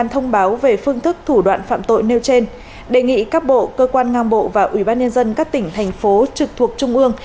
thủ đoạn phạm tội nêu trên đề nghị các bộ cơ quan ngang bộ và ủy ban nhân dân các tỉnh thành phố trực thuộc trung ương